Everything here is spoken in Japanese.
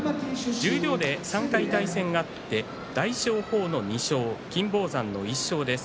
十両で３回対戦があって大翔鵬の２勝、金峰山の１勝です。